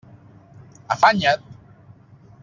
Afanya't!